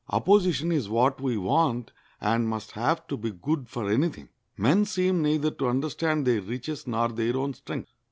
Opposition is what we want and must have to be good for any thing. Men seem neither to understand their riches nor their own strength.